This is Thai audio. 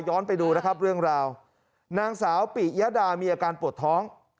ไปดูนะครับเรื่องราวนางสาวปิยดามีอาการปวดท้อง